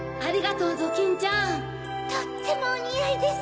とってもおにあいです